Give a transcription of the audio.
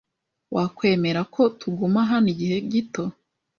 Wakwemera ko tuguma hano igihe gito?